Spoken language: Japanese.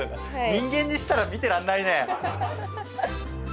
人間にしたら見てらんないね。